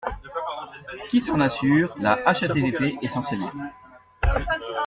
Qui s’en assure ? La HATVP essentiellement.